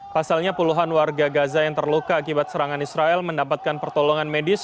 pasalnya puluhan warga gaza yang terluka akibat serangan israel mendapatkan pertolongan medis